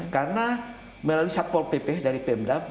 karena melalui support pp dari pemdam